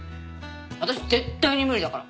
私絶対に無理だから。